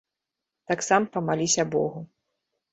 Так сам памаліся богу.